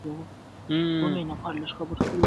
نه توره د ایمل سته- نه هی- هی د خوشحال خان-